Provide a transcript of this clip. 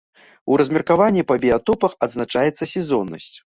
У размеркаванні па біятопах адзначаецца сезоннасць.